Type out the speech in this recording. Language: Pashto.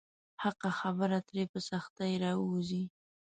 حقه خبره ترې په سختۍ راووځي.